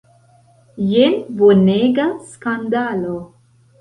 Jen bonega skandalo!